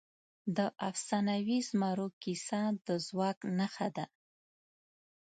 د افسانوي زمرو کیسه د ځواک نښه ده.